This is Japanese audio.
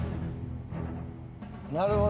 「なるほど。